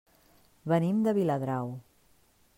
Venim de Viladrau.